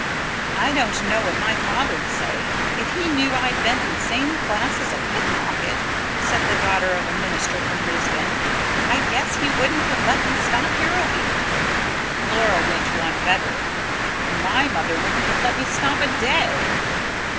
"I don't know what my father'd say, if he knew I'd been in the same class as a pickpocket," said the daughter of a minister from Brisbane. "I guess he wouldn't have let me stop here a week." Laura went one better. "My mother wouldn't have let me stop a day."